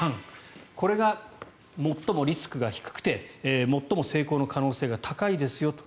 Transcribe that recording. これが最もリスクが低くて最も成功の可能性が高いですよと。